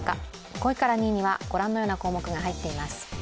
５位から２位はご覧のような項目が入っています